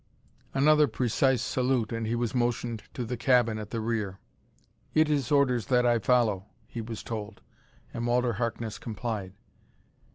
Another precise salute, and he was motioned to the cabin at the rear. "It is orders that I follow," he was told. And Walter Harkness complied.